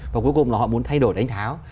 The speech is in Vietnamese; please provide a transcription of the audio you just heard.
và cuối cùng là họ muốn thay đổi đánh tháo